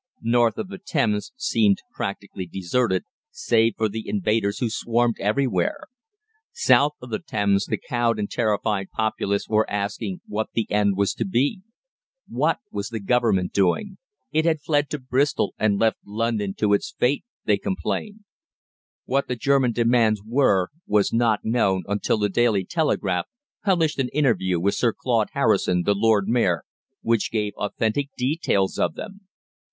North of the Thames seemed practically deserted, save for the invaders who swarmed everywhere. South of the Thames the cowed and terrified populace were asking what the end was to be. What was the Government doing? It had fled to Bristol and left London to its fate, they complained. What the German demands were was not known until the "Daily Telegraph" published an interview with Sir Claude Harrison, the Lord Mayor, which gave authentic details of them.